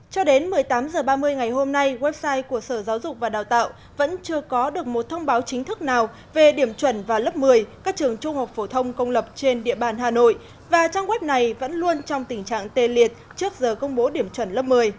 cho đến một mươi tám h ba mươi ngày hôm nay website của sở giáo dục và đào tạo vẫn chưa có được một thông báo chính thức nào về điểm chuẩn vào lớp một mươi các trường trung học phổ thông công lập trên địa bàn hà nội và trang web này vẫn luôn trong tình trạng tê liệt trước giờ công bố điểm chuẩn lớp một mươi